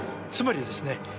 つまりですね